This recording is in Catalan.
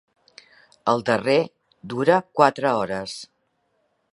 El darrer dura quatre hores.